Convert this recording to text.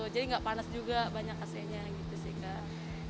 jadi gak panas juga banyak aslinya gitu